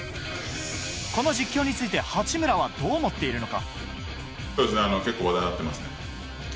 この実況について八村はどう思っているのか？